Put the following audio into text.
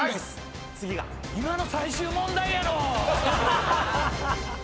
今の最終問題やろ！